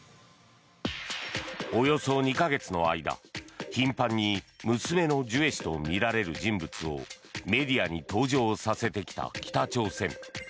およそ２か月の間、頻繁に娘のジュエ氏とみられる人物をメディアに登場させてきた北朝鮮。